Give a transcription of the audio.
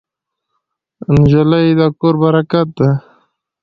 نجلۍ د کور برکت ده.